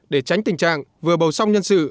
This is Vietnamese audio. để tránh tình trạng vừa bầu xong nhân sự